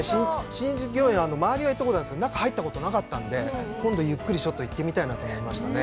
新宿御苑、周りは行った事あるんですけど、中は入ったことなかったんで今度ゆっくり、ちょっと行ってみたいなと思いましたね。